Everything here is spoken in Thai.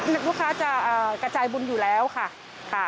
ลูกค้าจะกระจายบุญอยู่แล้วค่ะ